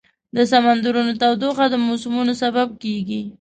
د سمندرونو تودوخه د موسمونو سبب کېږي.